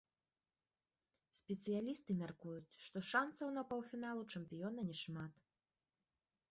Спецыялісты мяркуюць, што шанцаў на паўфінал у чэмпіёна не шмат.